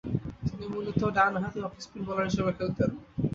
তিনি মূলতঃ ডানহাতি অফ স্পিন বোলার হিসেবে খেলতেন।